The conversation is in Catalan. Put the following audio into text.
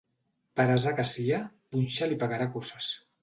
Per ase que sia, punxa'l i pegarà coces.